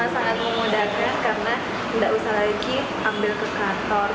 sangat memudahkan karena nggak usah lagi ambil ke kantor